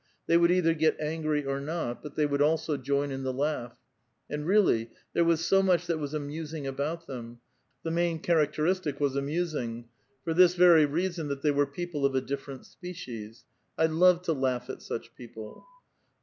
They would either get angry or not, but they would also join in the laugh. And, really, there was so much that was amusing about them — the main characteristic was amusing — for this veiy reason, that they were people of a different species. I love to laugh at such people.